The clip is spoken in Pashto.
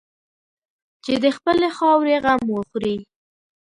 چې د خپلې خاورې غم وخوري.